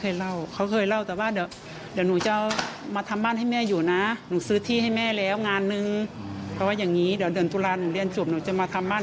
อยากให้ตำรวจดำเนินคดีให้ถึงที่สุด